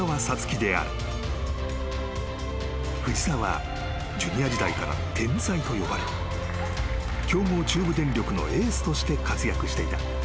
［藤澤はジュニア時代から天才と呼ばれ強豪中部電力のエースとして活躍していた］